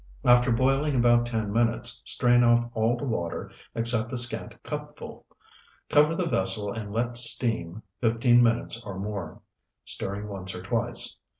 After boiling about ten minutes, strain off all the water except a scant cupful. Cover the vessel and let steam fifteen minutes or more, stirring once or twice.